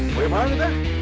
boleh banget kita